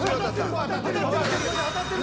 当たってる！